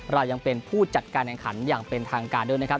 เรายังเป็นผู้จัดการแข่งขันอย่างเป็นทางการด้วยนะครับ